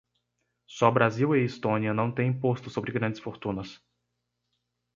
Só Brasil e Estônia não têm imposto sobre grandes fortunas